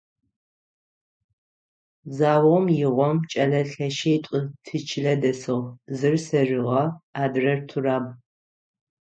Заом игъом кӏэлэ лъэщитӏу тичылэ дэсыгъ; зыр – сэрыгъэ, адрэр – Тураб.